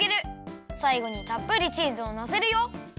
さいごにたっぷりチーズをのせるよ。